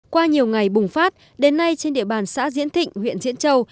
qua nhiều ngày bùng phát đến nay trên địa bàn xã diễn thịnh huyện diễn châu